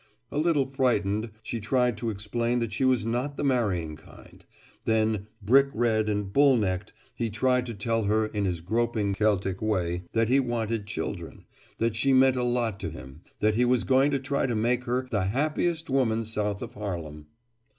A little frightened, she tried to explain that she was not the marrying kind. Then, brick red and bull necked, he tried to tell her in his groping Celtic way that he wanted children, that she meant a lot to him, that he was going to try to make her the happiest woman south of Harlem.